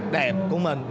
đẹp của mình